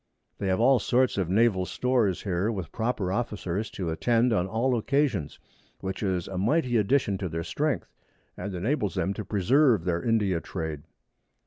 They have all sorts of Naval Stores here, with proper Officers to attend on all Occasions, which is a mighty Addition to their Strength, and enables them to preserve their India Trade.